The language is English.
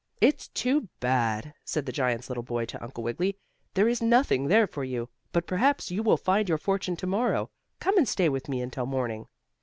"It's too bad," said the giant's little boy to Uncle Wiggily. "There is nothing there for you. But perhaps you will find your fortune to morrow. Come and stay with me until morning."